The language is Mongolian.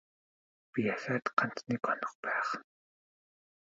Би ахиад ганц нэг хонох байх.